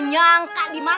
senyang kak diman